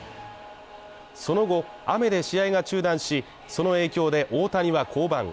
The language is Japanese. その後、雨で試合が中断し、その影響で大谷は降板。